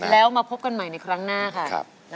แล้วมาพบกันใหม่ในครั้งหน้าค่ะ